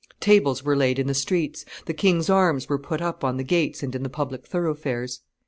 Tables were laid in the streets; the king's arms were put up on the gates and in the public thoroughfares."